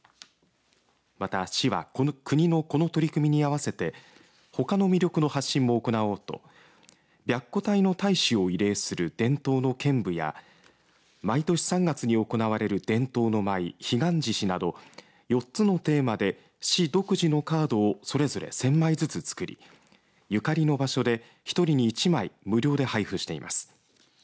また、市は国のこの取り組みに合わせてほかの魅力の発信も行おうと白虎隊の隊士を慰霊する伝統の剣舞や毎年３月に行われる伝統の舞彼岸獅子など４つテーマで市独自のカードをそれぞれ１０００枚ずつ作りゆかりの場所で１人に１枚無料で配布しています。